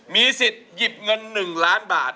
มีสิทธิ์หยิบเงิน๑ล้านบาท